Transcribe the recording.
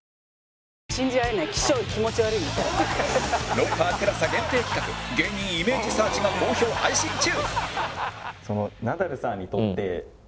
『ロンハー』ＴＥＬＡＳＡ 限定企画芸人イメージサーチが好評配信中